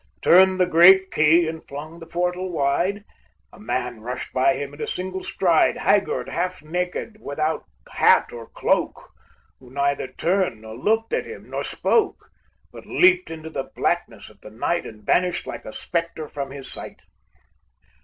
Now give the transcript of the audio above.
Turned the great key and flung the portal wide; A man rushed by him at a single stride, Haggard, half naked, without hat or cloak, Who neither turned, nor looked at him, nor spoke, But leaped into the blackness of the night, And vanished like a spectre from his sight.